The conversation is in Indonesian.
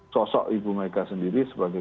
sosok ibu mega sendiri sebagai